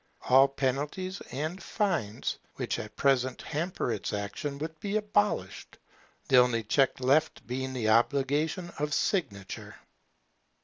All penalties and fines which at present hamper its action would be abolished, the only check left being the obligation of signature.